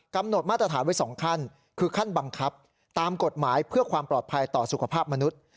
กำหนดมาตรฐานไว้๒ขั้นคือขั้นบังคับตามกฎหมายเพื่อความปลอดภัยต่อสุขภาพมนุษย์